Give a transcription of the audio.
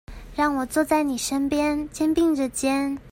讓我坐在妳身旁，肩並著肩